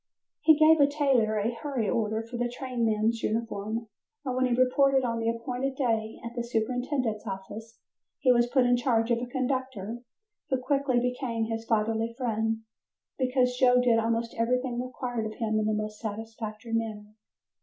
He gave a tailor a "hurry" order for a trainman's uniform, and when he reported on the appointed day at the superintendent's office, he was put in charge of a conductor who quickly became his fatherly friend, because Joe did everything required of him in a most satisfactory manner.